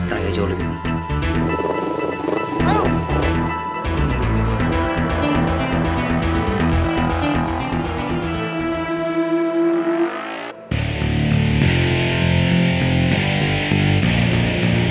raya jauh lebih muntah